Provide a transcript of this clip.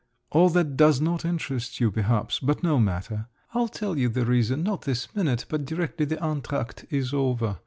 All that does not interest you, perhaps, but no matter. I'll tell you the reason not this minute, but directly the entr'acte is over.